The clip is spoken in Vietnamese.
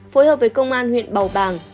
phối hợp với công an huyện bào bàng